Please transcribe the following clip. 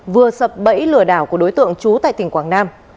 vừa sập bẫy lửa đảo của đối tượng chú tại tỉnh quảng nam